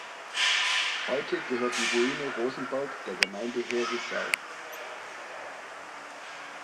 Heute gehört die Ruine Rosenberg der Gemeinde Herisau.